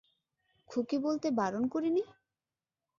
খুকি বলতে বারণ করিনি?